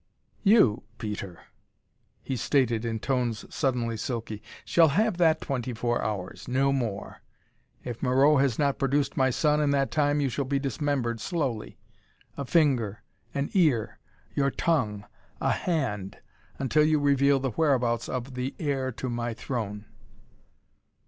"You, Peter," he stated, in tones suddenly silky, "shall have that twenty four hours no more. If Moreau has not produced my son in that time you shall be dismembered slowly. A finger; an ear; your tongue; a hand until you reveal the whereabouts of the heir to my throne!"